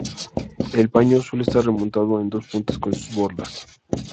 El paño suele estar rematado en dos puntas con sus borlas.